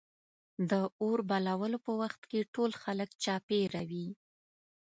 د اور بلولو په وخت کې ټول خلک چاپېره وي.